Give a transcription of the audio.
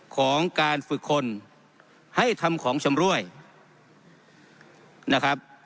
ของการฝึกคนให้ทำของชำรวยนะครับ